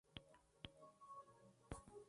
Fue nombrado por el presidente Ali Abdullah Saleh.